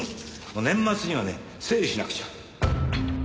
年末にはね整理しなくちゃ。